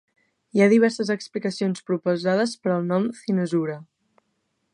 Hi ha diverses explicacions proposades per al nom "Cynosura".